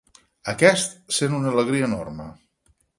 Aquest sent una alegria enorme.